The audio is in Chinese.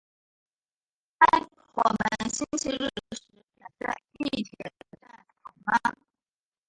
嗨，我们星期日十点在地铁站见好吗？